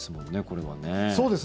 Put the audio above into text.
これはね。